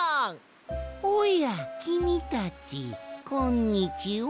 おやきみたちこんにちは。